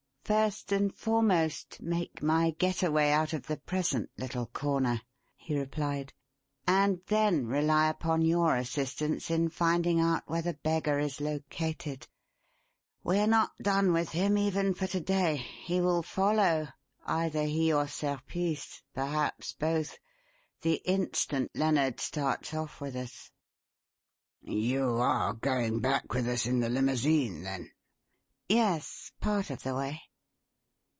"First and foremost, make my getaway out of the present little corner," he replied, "and then rely upon your assistance in finding out where the beggar is located. We're not done with him even for to day. He will follow either he or Serpice: perhaps both the instant Lennard starts off with us." "You are going back with us in the limousine, then?" "Yes part of the way.